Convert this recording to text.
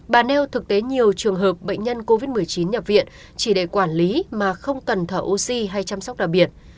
bà nêu thực tế nhiều trường hợp bệnh nhân covid một mươi chín nhập viện chỉ để quản lý mà không cần thở oxy hay chăm sóc đặc biệt